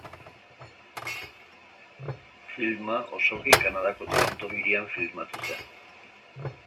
Filma osoki Kanadako Toronto hirian filmatu zen.